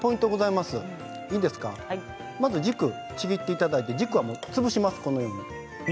まず軸をちぎっていただいて軸は潰します。